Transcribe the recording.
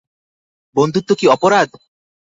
বন্ধুত্ব কি অপরাধ?